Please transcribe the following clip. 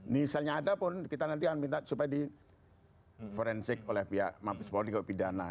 misalnya ada pun kita nanti akan minta supaya di forensik oleh pihak mabes polri kalau pidana